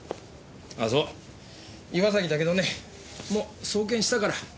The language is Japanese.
あそう岩崎だけどねもう送検したから。